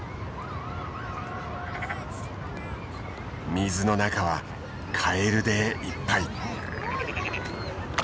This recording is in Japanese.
水の中はカエルでいっぱい。